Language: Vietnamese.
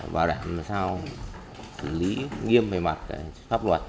bảo đảm làm sao xử lý nghiêm về mặt pháp luật